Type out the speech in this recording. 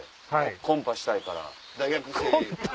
コンパしたいから？